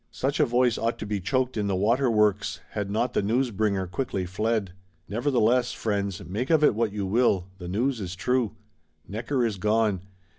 Such a voice ought to be choked in the water works;—had not the news bringer quickly fled. Nevertheless, friends, make of it what you will, the news is true. Necker is gone.